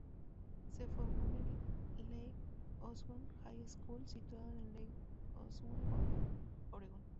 Se formó en el "Lake Oswego High School", situado en Lake Oswego, Oregon.